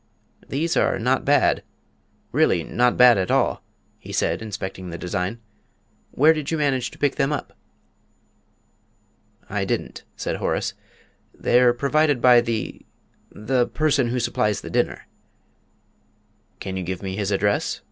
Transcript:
"These are not bad really not bad at all," he said, inspecting the design. "Where did you manage to pick them up?" "I didn't," said Horace; "they're provided by the the person who supplies the dinner." "Can you give me his address?"